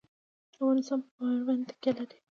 افغانستان په پامیر باندې تکیه لري.